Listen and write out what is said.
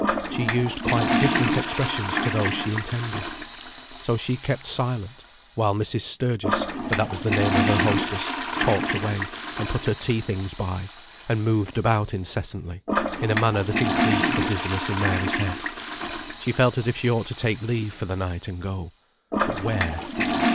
She used quite different expressions to those she intended. So she kept silent, while Mrs. Sturgis (for that was the name of her hostess) talked away, and put her tea things by, and moved about incessantly, in a manner that increased the dizziness in Mary's head. She felt as if she ought to take leave for the night and go. But where?